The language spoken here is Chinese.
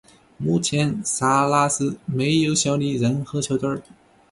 目前萨拉斯没有效力任何球队。